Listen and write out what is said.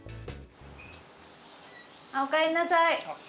おかえりなさい。